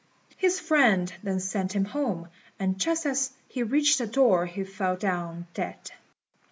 His friend then sent him home; and just as he reached the door he fell down dead.